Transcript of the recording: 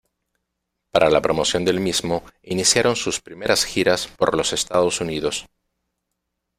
Para la promoción del mismo iniciaron sus primeras giras por los Estados Unidos.